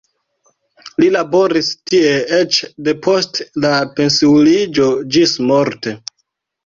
Li laboris tie eĉ depost la pensiuliĝo ĝismorte.